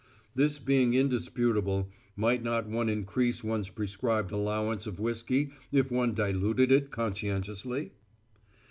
This being indisputable, might not one increase one's prescribed allowance of whiskey if one diluted it conscientiously?